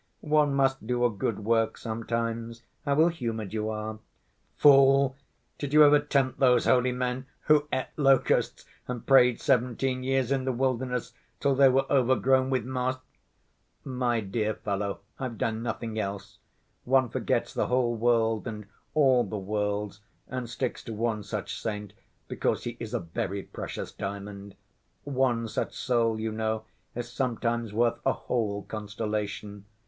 "One must do a good work sometimes. How ill‐humored you are!" "Fool! did you ever tempt those holy men who ate locusts and prayed seventeen years in the wilderness till they were overgrown with moss?" "My dear fellow, I've done nothing else. One forgets the whole world and all the worlds, and sticks to one such saint, because he is a very precious diamond. One such soul, you know, is sometimes worth a whole constellation.